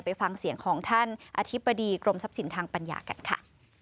ไปฟังเสียงของท่านอธิบดีกรมทรัพย์สินทางปัญญากันค่ะ